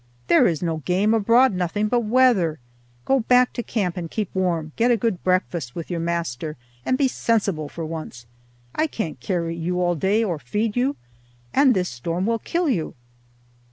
There is no game abroad, nothing but weather. Go back to camp and keep warm, get a good breakfast with your master, and be sensible for once. I can't carry you all day or feed you, and this storm will kill you."